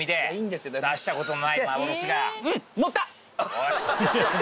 よし。